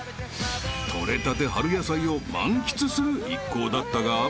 ［取れたて春野菜を満喫する一行だったが］